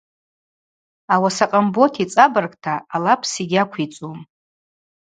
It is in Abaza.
Ауаса Къамбот йцӏабыргта алапс йгьаквицӏум.